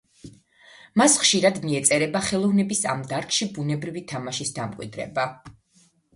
მას ხშირად მიეწერება ხელოვნების ამ დარგში ბუნებრივი თამაშის დამკვიდრება.